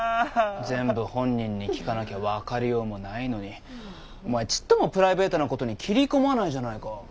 全部本人に聞かなきゃわかりようもないのにお前ちっともプライベートな事に切り込まないじゃないか。